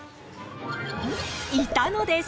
いたのです！